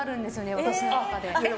私の中で。